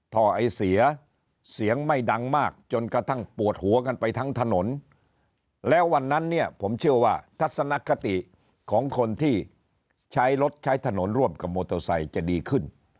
ท่อไอเสียเสียงไม่ดังมากจนกระทั่งปวดหัวกันไปทั้งถนนแล้ววันนั้นเนี่ยผมเชื่อว่าทัศนคติของคนที่ใช้รถใช้ถนนร่วมกับมอเตอร์ไซค์จะดีขึ้น